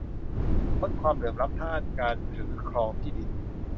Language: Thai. ลดความเหลื่อมล้ำด้านการถือครองที่ดิน